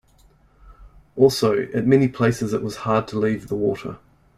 Also, at many places it was hard to leave the water.